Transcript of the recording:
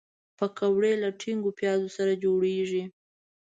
پکورې له ټینګو پیازو سره جوړیږي